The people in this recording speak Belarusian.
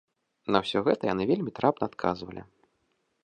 На ўсё гэта яны вельмі трапна адказвалі.